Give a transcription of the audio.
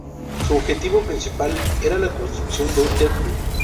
Su objetivo principal era la construcción de un Templo.